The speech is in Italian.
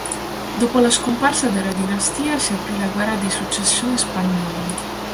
Dopo la scomparsa della dinastia si aprì la guerra di successione spagnola